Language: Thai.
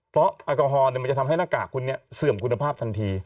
เพราะแอลกอฮอล์มันจะทำให้หน้ากากคุณเสื่อมคุณภาพทันที